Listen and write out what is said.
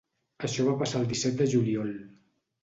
Això va passar el disset de juliol.